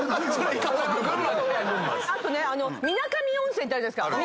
あとね水上温泉ってあるじゃないですか。